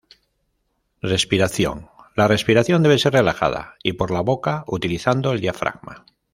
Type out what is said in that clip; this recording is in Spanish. Respiración: La respiración debe ser relajada y por la boca, utilizando el diafragma.